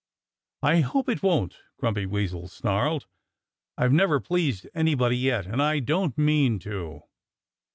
"I hope it won't!" Grumpy Weasel snarled. "I've never pleased anybody yet; and I don't mean to."